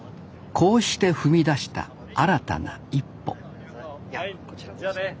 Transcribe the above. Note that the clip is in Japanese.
こうして踏み出した新たな一歩じゃあね。